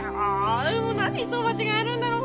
何でいつも間違えるんだろう。